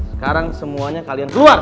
sekarang semuanya kalian keluar